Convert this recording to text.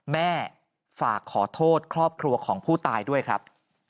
แม่ฝากขอโทษครอบครัวของผู้ตายด้วยครับ